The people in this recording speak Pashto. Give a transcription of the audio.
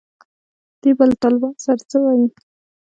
دوی به له طالبانو سره څه وایي.